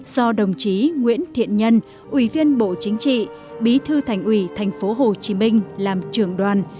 do đồng chí nguyễn thiện nhân ủy viên bộ chính trị bí thư thành ủy thành phố hồ chí minh làm trưởng đoàn